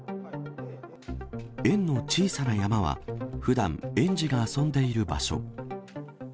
園の小さな山は、ふだん、園児が遊んでいる場所。